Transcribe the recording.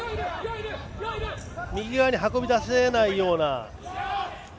右側に運び出せないような。